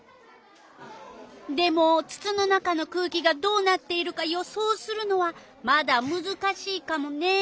でもつつの中の空気がどうなっているか予想するのはまだむずかしいカモね。